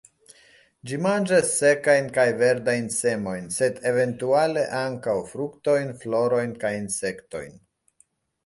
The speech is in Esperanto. Ĝi manĝas sekajn kaj verdajn semojn, sed eventuale ankaŭ fruktojn, florojn kaj insektojn.